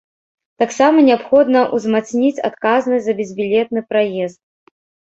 Таксама неабходна ўзмацніць адказнасць за безбілетны праезд.